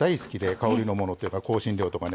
香りのものっていうか香辛料とかね